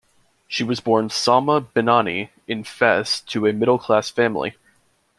She was born Salma Bennani in Fes to a middle class family.